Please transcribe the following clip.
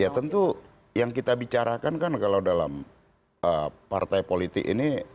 ya tentu yang kita bicarakan kan kalau dalam partai politik ini